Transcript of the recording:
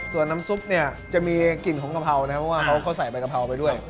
ส่วนน้ำซุปเนี่ยจะมีกลิ่นของกะเพรานะครับเพราะว่าเขาใส่ใบกะเพราไปด้วย